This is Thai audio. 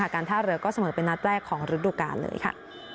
การท่าเรือก็เสมอเป็นรัฐแรกของฤทธิ์หลุดกาลเลยค่ะ